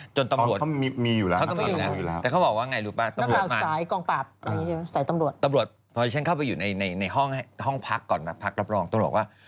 จนตำรวจแทนนี้งั้นพอเขา